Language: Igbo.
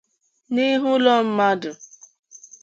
n'ihu ụlọ mmadụ